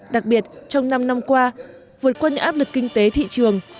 đặc biệt trong năm năm qua vượt qua những áp lực kinh tế thị trường